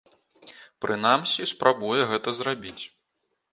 Прынамсі, спрабуе гэта зрабіць.